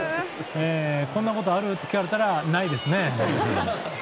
こんなことある？って聞かれたらないですね。